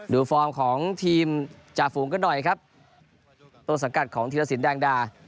ฟอร์มของทีมจ่าฝูงกันหน่อยครับต้นสังกัดของธีรสินแดงดา